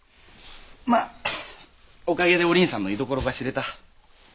まあおかげでお倫さんの居所が知れた。